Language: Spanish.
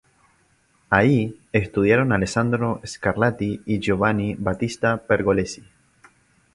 Ahí estudiaron Alessandro Scarlatti y Giovanni Battista Pergolesi.